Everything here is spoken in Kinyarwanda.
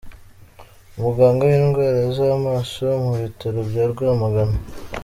Umuganga w’indwara z’amaso mu bitaro bya Rwamagana, Dr.